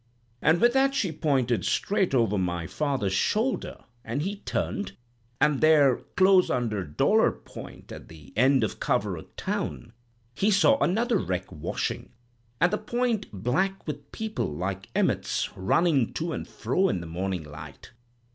"And with that she pointed straight over my father's shoulder, and he turned; and there, close under Dolor Point, at the end of Coverack town, he saw another wreck washing, and the point black with people, like emmets, running to and fro in the morning light.